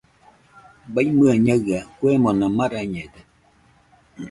Baimɨe Ñaɨa kuemona marañede.